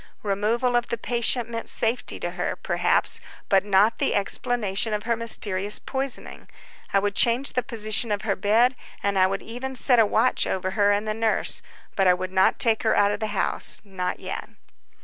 Removal of the patient meant safety to her, perhaps, but not the explanation of her mysterious poisoning. I would change the position of her bed, and I would even set a watch over her and the nurse, but I would not take her out of the house—not yet.